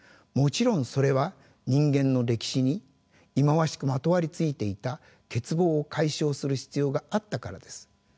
もちろんそれは人間の歴史に忌まわしくまとわりついていた欠乏を解消する必要があったからです。